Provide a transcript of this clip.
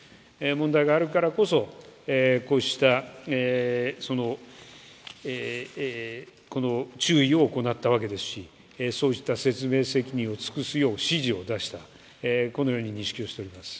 問題があるからこそこうした注意を行ったわけですし、そうした説明責任を尽くすよう指示を出した、このように認識をしております。